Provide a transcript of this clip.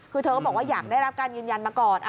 คือเธอก็บอกว่าอยากได้รับการยืนยันมาก่อน